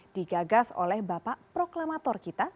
digagas oleh bapak proklamator kita